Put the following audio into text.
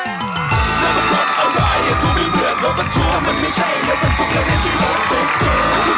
เมื่อเท่าไหร่พนภาษณ์สุดยอดไม่สิบหวัด